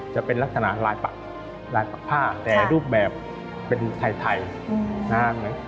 จะเป็นลักษณะลายปากผ้าแต่รูปแบบเป็นไทยนะครับ